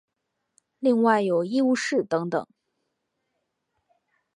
另外有医务室等等。